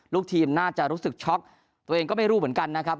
ลูกทีมน่าจะรู้สึกช็อกตัวเองก็ไม่รู้เหมือนกันนะครับ